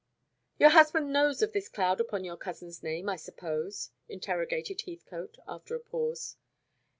"Your husband knows of this cloud upon your cousin's name, I suppose?" interrogated Heathcote, after a pause.